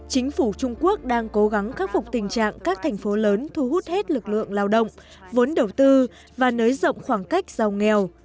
chính phủ trung quốc đang cố gắng khắc phục tình trạng các thành phố lớn thu hút hết lực lượng lao động vốn đầu tư và nới rộng khoảng cách giàu nghèo